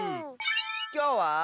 きょうは。